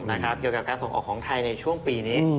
เกี่ยวกับการส่งออกของไทยในช่วงปีนี้